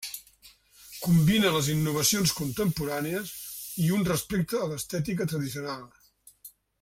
Combina les innovacions contemporànies i un respecte a l'estètica tradicional.